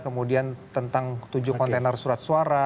kemudian tentang tujuh kontainer surat suara